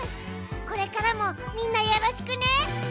これからもみんなよろしくね。